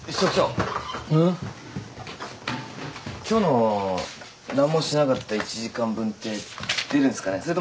今日の何もしなかった１時間分って出るんすかね。